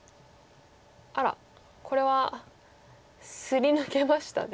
あらこれはすり抜けましたね。